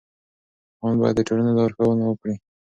پوهان باید د ټولنې لارښوونه وکړي.